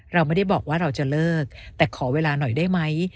เราไม่ได้บอกว่าเราจะเลิกแต่ขอเวลาหน่อยได้ไหม